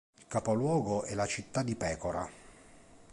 Il capoluogo è la città di Pečora.